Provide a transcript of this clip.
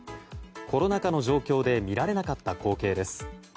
コロナ禍の状況で見られなかった光景です。